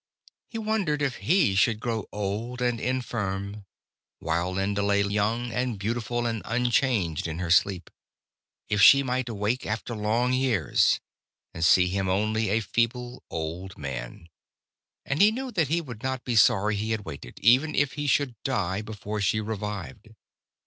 He wondered if he should grow old and infirm, while Linda lay still young and beautiful and unchanged in her sleep; if she might awake, after long years, and see in him only a feeble old man. And he knew that he would not be sorry he had waited, even if he should die before she revived.